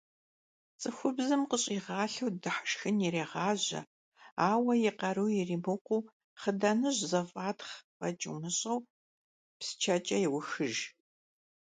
Цӏыхубзым къыщӏигъалъэу дыхьэшхын ирегъажьэ, ауэ, и къару иримыкъуу, хъыданэжь зэфӏатхъ фӏэкӏ умыщӏэну, псчэкӏэ еухыж.